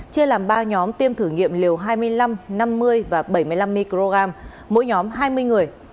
chia làm ba nhóm tiêm thử nghiệm liều hai mươi năm năm mươi và bảy mươi năm microgram mỗi nhóm hai mươi người